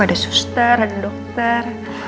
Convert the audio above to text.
ada suster ada dokter